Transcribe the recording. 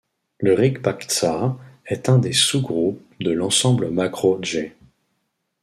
Le rikbaktsa est un des sous-groupe de l'ensemble macro-jê.